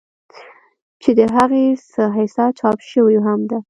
چې د هغې څۀ حصه چاپ شوې هم ده